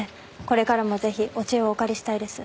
これからもぜひお知恵をお借りしたいです。